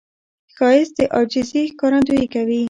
ښایست د عاجزي ښکارندویي کوي